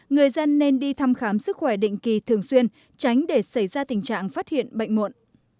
người dân nên đi thăm khám sức khỏe định kỳ thường xuyên tránh để xảy ra tình trạng phát hiện bệnh muộn